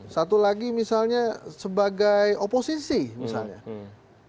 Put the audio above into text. satu lagi misalnya sebagai oposisi misalnya